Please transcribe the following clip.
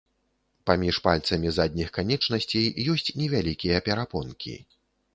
Паміж пальцамі задніх канечнасцей ёсць невялікія перапонкі.